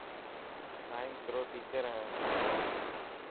سائنس رو ٽيچر هي.